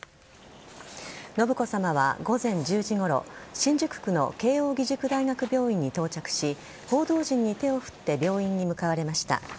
信子さまは午前１０時ごろ新宿区の慶應義塾大学病院に到着し報道陣に手を振って病院に向かわれました。